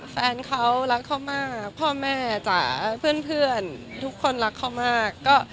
แฟนเขารักเขามากพ่อแม่จ๋าเพื่อนทุกคนรักเขามาก